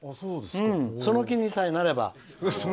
その気にさえなれば。